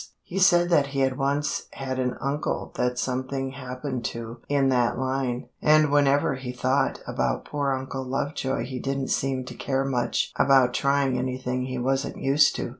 He said that he had once had an uncle that something happened to in that line, and whenever he thought about poor Uncle Lovejoy he didn't seem to care much about trying anything he wasn't used to.